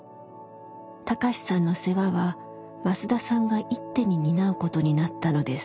貴志さんの世話は増田さんが一手に担うことになったのです。